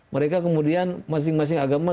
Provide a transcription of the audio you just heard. mereka kemudian masing masing agama